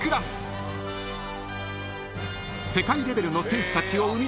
［世界レベルの選手たちを生み出す名門校］